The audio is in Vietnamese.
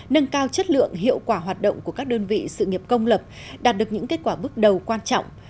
nâng cao chất lượng hiệu quả hoạt động của các đơn vị sự nghiệp công lập đạt được những kết quả bước đầu quan trọng